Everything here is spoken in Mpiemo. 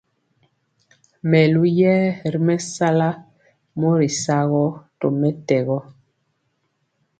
Melu yɛɛ ri mɛsala mɔri sagɔ tɔmɛtɛgɔ.